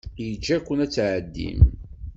Yeǧǧa-ken ad tɛeddim.